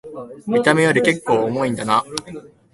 見た目よりけっこう重いんだな